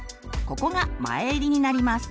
ここが前襟になります。